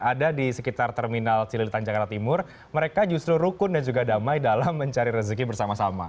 ada di sekitar terminal cililitan jakarta timur mereka justru rukun dan juga damai dalam mencari rezeki bersama sama